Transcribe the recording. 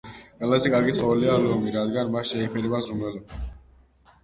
ყველაზე კარგი ცხოველია ლომი რადგან მას შეფერება ზრუნველობა